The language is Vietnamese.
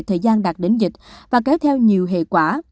thời gian đạt đến dịch và kéo theo nhiều hệ quả